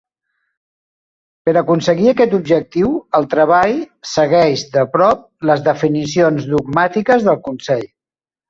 Per a aconseguir aquest objectiu, el treball segueix de prop les definicions dogmàtiques del Consell.